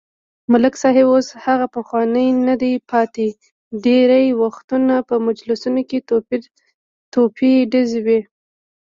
ملک صاحب اوس هغه پخوانی ندی پاتې، ډېری وخت په مجلسونو کې توپې ډزوي.